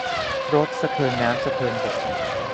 รถสะเทินน้ำสะเทินบก